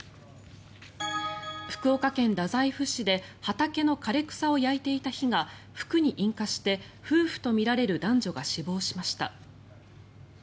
福岡県太宰府市で畑の枯れ草を焼いていた火が服に引火して夫婦とみられる男女が死亡しました。